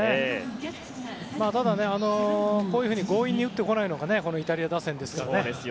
ただ、強引に打ってこないのがイタリア打線ですからね。